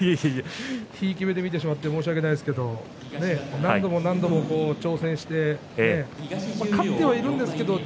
ひいき目で見て申し訳ないですけれども何度も挑戦して勝ってはいるんですけどね